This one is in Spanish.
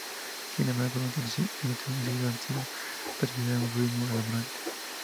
Sin embargo, durante el último siglo ha sido perseguida a un ritmo alarmante.